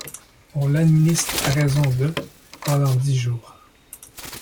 On l'administre à raison de pendant dix jours.